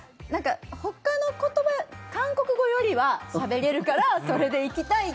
ほかの言葉、韓国語よりはしゃべれるからそれでいきたい。